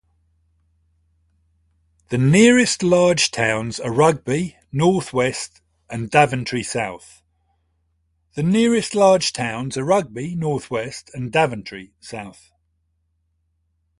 The nearest large towns are Rugby, north west, and Daventry, south.